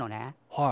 はい。